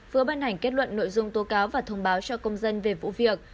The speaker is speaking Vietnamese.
vừa ban hành kết luận nội dung tố cáo và thông báo cho công dân về vụ việc